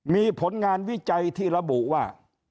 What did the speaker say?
มีผลงานวิจัยที่ระบุว่า